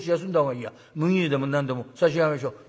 麦湯でも何でも差し上げましょう。